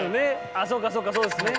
あそうかそうかそうですね。